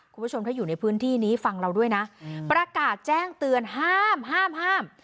คุณผู้ชมถ้าอยู่ในพื้นที่นี้ฟังเราด้วยนะประกาศแจ้งเตือนห้ามห้ามห้าม